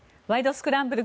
スクランブル」